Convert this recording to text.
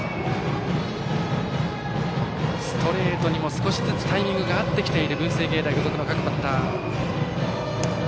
ストレートにも少しずつタイミングが合ってきている文星芸大付属の各バッター。